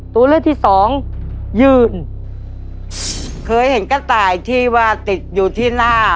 ตัวเลือกที่สองยืนเคยเห็นกระต่ายที่ว่าติดอยู่ที่หน้า